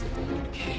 ええ。